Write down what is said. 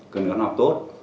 cần con học tốt